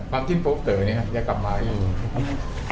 บางที่โพฟเตอร์เนี่ยครับอยากกลับมาอีก